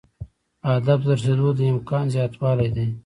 هدف ته د رسیدو د امکان زیاتوالی دی.